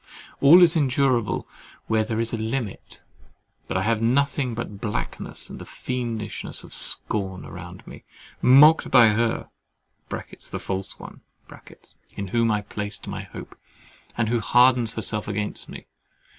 All is endurable where there is a limit: but I have nothing but the blackness and the fiendishness of scorn around me—mocked by her (the false one) in whom I placed my hope, and who hardens herself against me!